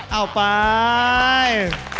เอาไป